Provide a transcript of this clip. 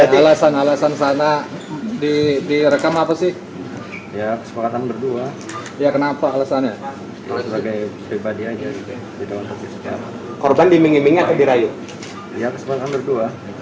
korban diming mingnya ke dirayu